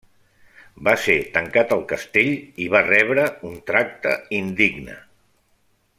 Va ser tancat al castell i va rebre un tracte indigne.